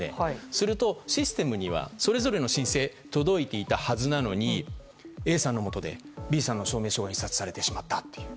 すると、システムにはそれぞれの申請が届いていたはずなのにＡさんのもとでＢさんの証明書が印刷されてしまったと。